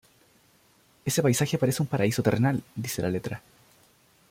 Ese paisaje parece un paraíso terrenal, dice la letra.